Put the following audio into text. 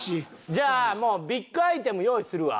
じゃあもうビッグアイテム用意するわ。